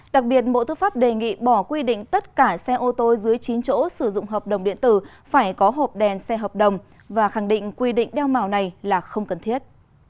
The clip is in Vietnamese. đặc biệt bộ tư pháp đề nghị bỏ quy định tất cả xe ô tô dưới chín chỗ sử dụng hợp đồng điện tử phải có hộp đèn xe hợp đồng và khẳng định quy định đeo màu này là không cần thiết